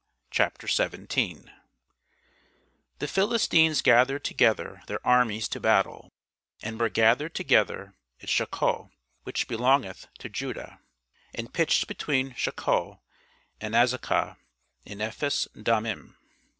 CHAPTER IV DAVID The Philistines gathered together their armies to battle, and were gathered together at Shochoh, which belongeth to Judah, and pitched between Shochoh and Azekah, in Ephes dammim.